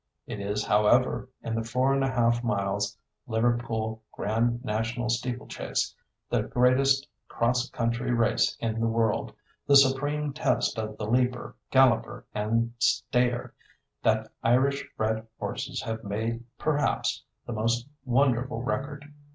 It is, however, in the four and a half miles' Liverpool Grand National Steeplechase, the greatest cross country race in the world, the supreme test of the leaper, galloper, and stayer, that Irish bred horses have made perhaps the most wonderful record.